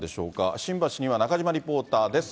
新橋には中島リポーターです。